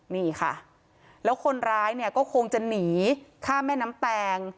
นี่ค่ะแล้วคนร้ายเนี่ยก็คงจะหนีข้ามแม่น้ำแตง